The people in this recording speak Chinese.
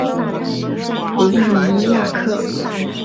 普利尼亚克。